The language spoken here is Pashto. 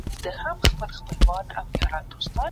آيا په ټولنه کي هر څوک مسؤليت لري؟